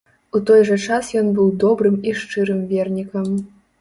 У той жа час ён быў добрым і шчырым вернікам.